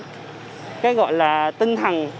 cái gọi là tinh thần